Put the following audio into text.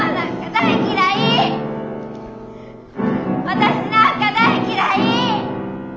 私なんか大嫌い！